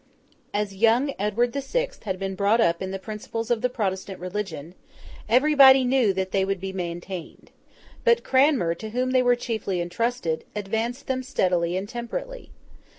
As young Edward the Sixth had been brought up in the principles of the Protestant religion, everybody knew that they would be maintained. But Cranmer, to whom they were chiefly entrusted, advanced them steadily and temperately.